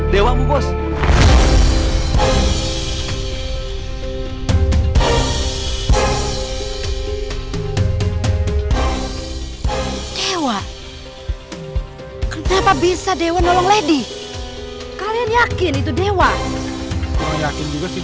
dan kamu sekarang masuk khawatir kayak gini